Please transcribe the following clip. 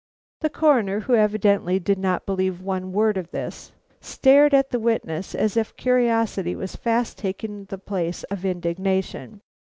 The Coroner, who evidently did not believe one word of this, stared at the witness as if curiosity was fast taking the place of indignation.